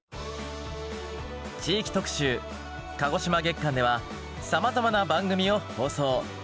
地域特集鹿児島月間ではさまざまな番組を放送。